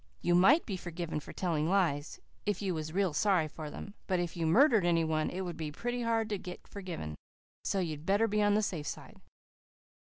You might be forgiven for telling lies, if you was real sorry for them, but if you murdered any one it would be pretty hard to get forgiven, so you'd better be on the safe side.